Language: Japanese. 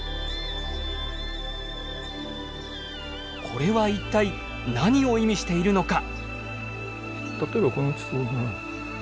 これは一体何を意味しているのか。